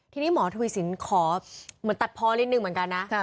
ทีนี้หมอทุยศิลป์ขอตัดพอเล็กนึงเหมือนกันนะ